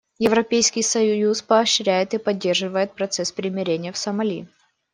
Европейский союз поощряет и поддерживает процесс примирения в Сомали.